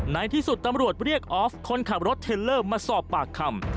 ในที่สุดตำรวจเรียกออฟคนขับรถเทลเลอร์มาสอบปากคำ